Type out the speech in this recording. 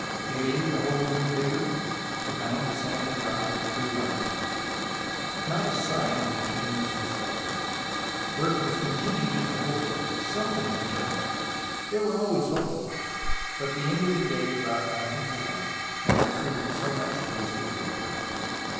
Daily the hole grew bigger, the mound of sand and rock grew larger. Not a sign of a tomb was discovered. Work was continued in the hope that something would turn up. They were always hopeful, but the end of the day brought nothing to light and it proved so much wasted labour.